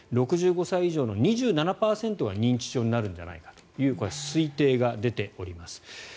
６５歳以上の２７％が認知症になるのではというこれは推定が出ております。